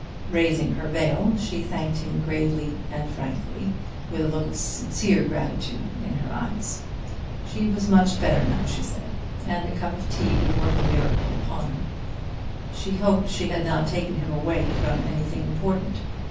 Raising her veil, she thanked him gravely and frankly, with a look of sincere gratitude in her eyes. She was much better now, she said, and a cup of tea would work a miracle upon her. She hoped she had not taken him away from anything important.